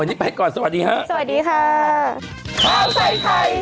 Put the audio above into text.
วันนี้ไปก่อนสวัสดีฮะ